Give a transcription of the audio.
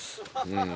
うん。